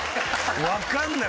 わかんない。